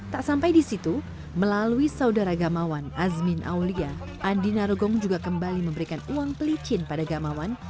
tak sampai di situ melalui saudara gamawan azmin aulia andi narogong juga kembali memberikan uang pelicin pada gamawan